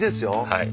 はい。